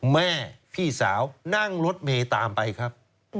แม่พี่สาวนั่งรถเมย์ตามไปครับ